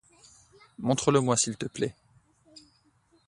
Montre-le moi, s'il te plaît.